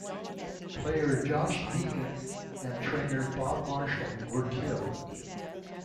Player Josh Deegan and trainer Bob Marshall were killed.